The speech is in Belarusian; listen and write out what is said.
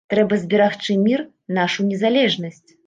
Трэба зберагчы мір, нашу незалежнасць.